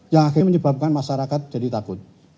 yang akhirnya menyebabkan masyarakat jadi takut